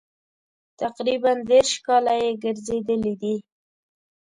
تقریبا دېرش کاله یې ګرځېدلي دي.